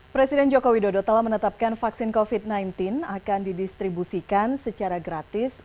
presiden joko widodo telah menetapkan vaksin covid sembilan belas akan didistribusikan secara gratis